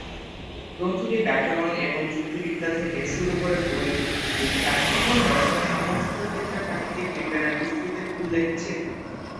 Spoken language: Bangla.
গ্রন্থটি ব্যাকরণ এবং যুক্তিবিদ্যা থেকে শুরু করে গণিত, পদার্থবিজ্ঞান এবং দর্শনের সমস্ত ক্ষেত্রে প্রাকৃতিক বিজ্ঞানের বিস্তৃতির উল্লেখ ছিল।